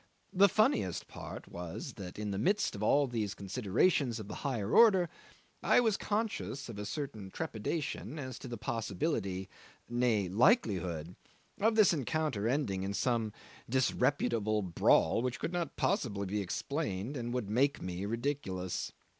The funniest part was, that in the midst of all these considerations of the higher order I was conscious of a certain trepidation as to the possibility nay, likelihood of this encounter ending in some disreputable brawl which could not possibly be explained, and would make me ridiculous.